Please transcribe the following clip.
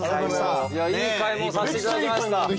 いい買い物させていただきました。